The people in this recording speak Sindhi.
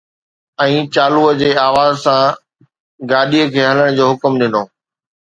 ۽ چالوءَ جي آواز سان گاڏيءَ کي ھلڻ جو حڪم ڏنو